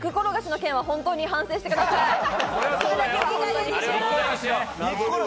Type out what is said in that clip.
肉ころがしの件は本当に反省してください。